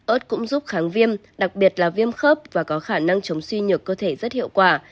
ớt cũng giúp kháng viêm đặc biệt là viêm khớp và có khả năng chống suy nhược cơ thể rất hiệu quả